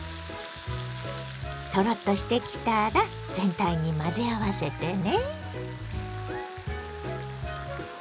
トロッとしてきたら全体に混ぜ合わせてね。